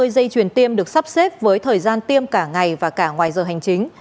ba mươi giây truyền tiêm được sắp xếp với thời gian tiêm cả ngày và cả ngoài giờ hành chính